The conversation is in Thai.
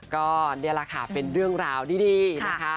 ก็นี่แหละค่ะเป็นเรื่องราวดีนะคะ